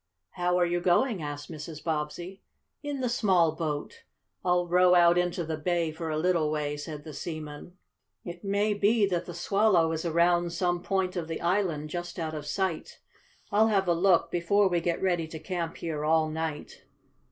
"How are you going?" asked Mrs. Bobbsey. "In the small boat. I'll row out into the bay for a little way," said the seaman. "It may be that the Swallow is around some point of the island, just out of sight. I'll have a look before we get ready to camp here all night."